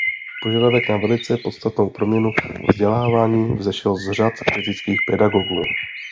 Požadavek na velice podstatnou proměnu vzdělávání vzešel z řad kritických pedagogů.